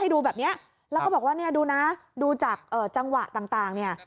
ให้ดูแบบนี้ก็บอกว่าดูนะดูจากประมาทต่าง